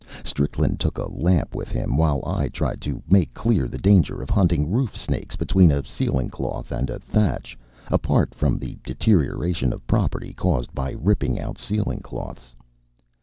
Strickland took a lamp with him, while I tried to make clear the danger of hunting roof snakes between a ceiling cloth and a thatch, apart from the deterioration of property caused by ripping out ceiling cloths.